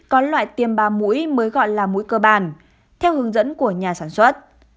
có loại tiêm ba mũi mới gọi là mũi cơ bản theo hướng dẫn của nhà sản xuất